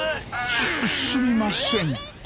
すすみません。